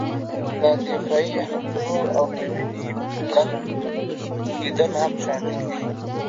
د دفاعي حجرو او د وینې پړن کېدل هم شامل دي.